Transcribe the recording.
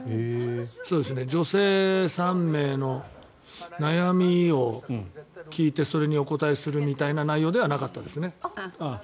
女性３名の悩みを聞いてそれにお答えするみたいな内容ではなかったです。